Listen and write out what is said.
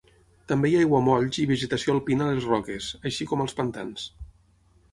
També hi ha aiguamolls i vegetació alpina a les roques, així com als pantans.